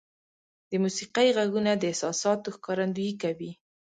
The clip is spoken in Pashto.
• د موسیقۍ ږغونه د احساساتو ښکارندویي کوي.